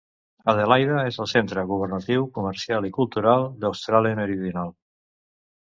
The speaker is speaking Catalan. Adelaida és el centre governatiu, comercial i cultural d'Austràlia Meridional.